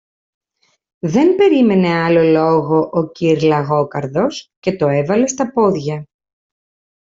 Δεν περίμενε άλλο λόγο ο κυρ-Λαγόκαρδος, και το έβαλε στα πόδια.